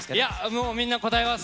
もう、みんな答えます。